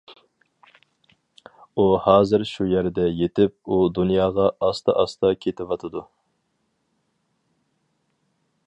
ئۇ ھازىر شۇ يەردە يېتىپ، ئۇ دۇنياغا ئاستا- ئاستا كېتىۋاتىدۇ.